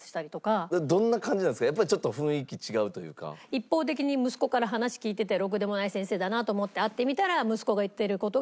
一方的に息子から話聞いててろくでもない先生だなと思って会ってみたら。